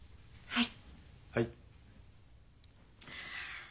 はい。